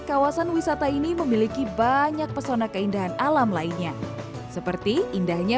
kawasan wisata ini memiliki banyak pesona keindahan alam lainnya seperti indahnya